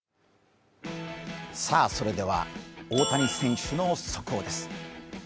さあ、それでは大谷選手の速報です。